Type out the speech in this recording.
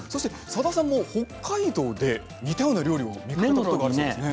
さださんも北海道で似たような料理、見たことがあるそうですね。